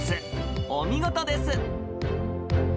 お見事です。